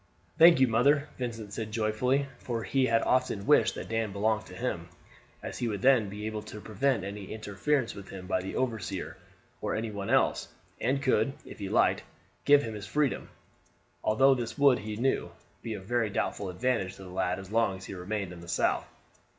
"Thank you, mother," Vincent said joyfully; for he had often wished that Dan belonged to him, as he would then be able to prevent any interference with him by the overseer or any one else, and could, if he liked, give him his freedom although this would, he knew, be of very doubtful advantage to the lad as long as he remained in the South.